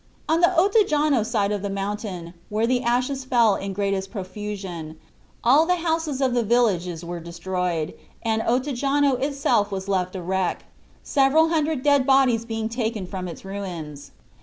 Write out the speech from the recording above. On the Ottajano side of the mountain, where the ashes fell in greatest profusion, all the houses of the villages were damaged, and Ottajano itself was left a wreck, several hundred dead bodies being taken from its ruins.